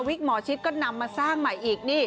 วิกหมอชิตก็นำมาสร้างใหม่อีก